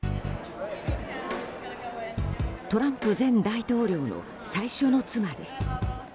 トランプ前大統領の最初の妻です。